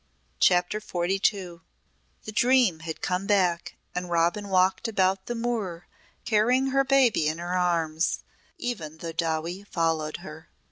CHAPTER XLII The dream had come back and Robin walked about the moor carrying her baby in her arms, even though Dowie followed her.